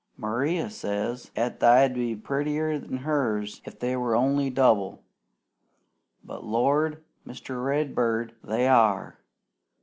Maria says 'at thy'd be purtier 'an hers if they were only double; but, Lord, Mr. Redbird, they are!